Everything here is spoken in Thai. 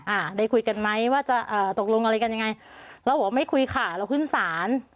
อ่าได้คุยกันไหมว่าจะเอ่อตกลงอะไรกันยังไงเราบอกว่าไม่คุยค่ะเราขึ้นศาล